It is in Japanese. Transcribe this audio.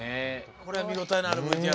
これは見応えのあるＶＴＲ！